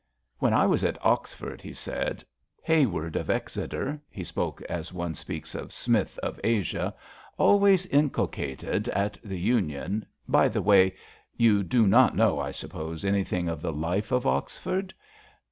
When I was at Oxford/^ he said, Haward of Exeter '*— ^he spoke as one speaks of Smith of Asia —^^ always inculcated at the Union By the way, yon do not know, I suppose, anything of the life at Oxford?